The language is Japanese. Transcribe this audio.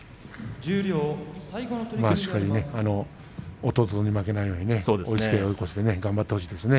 しっかり弟に負けないように追いつけ追い越せで頑張ってほしいですね。